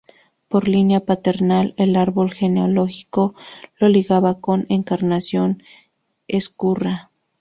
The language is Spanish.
Por línea paterna el árbol genealógico lo ligaba con Encarnación Ezcurra.